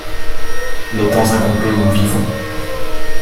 Les temps incomplets où nous vivons.